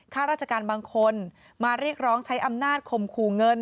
ข้าราชการบางคนมาเรียกร้องใช้อำนาจข่มขู่เงิน